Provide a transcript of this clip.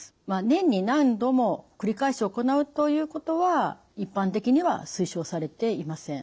年に何度も繰り返し行うということは一般的には推奨されていません。